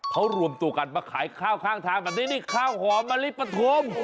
เขารวมตัวกันมาขายข้าวข้างทางแบบนี้นี่ข้าวหอมมะลิปปฐม